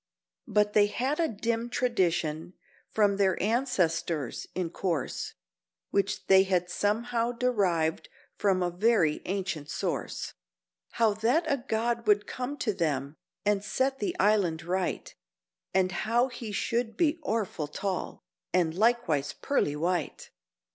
But they had a dim tradition, from their ancestors, in course, Which they had somehow derived from a very ancient source: How that a god would come to them, and set the island right; And how he should be orful tall, and likewise pearly white.